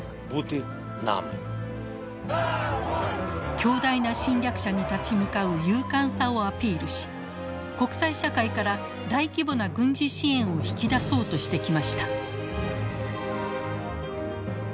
強大な侵略者に立ち向かう勇敢さをアピールし国際社会から大規模な軍事支援を引き出そうとしてきました。